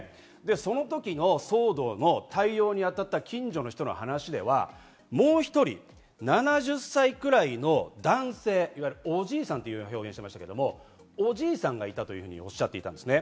その時の騒動の対応にあたった近所の人の話ではもう１人、７０歳くらいの男性、おじいさんという表現をしていましたが、おじいさんがいたとおっしゃっていたんです。